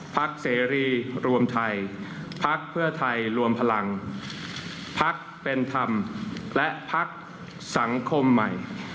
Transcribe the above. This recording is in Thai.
เสรีรวมไทยพักเพื่อไทยรวมพลังพักเป็นธรรมและพักสังคมใหม่